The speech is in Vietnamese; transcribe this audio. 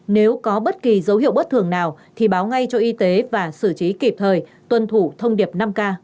nếu có bất kỳ dấu hiệu bất thường nào thì báo ngay cho y tế và xử trí kịp thời tuân thủ thông điệp năm k